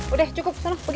udah cukup sana pergi